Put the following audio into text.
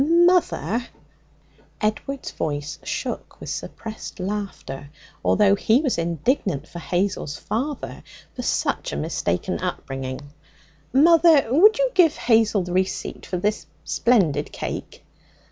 'Mother!' Edward's voice shook with suppressed laughter, although he was indignant with Hazel's father for such a mistaken upbringing 'mother, would you give Hazel the receipt for this splendid cake?'